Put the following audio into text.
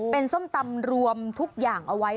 เป็นส้มตำรวมทุกอย่างเอาไว้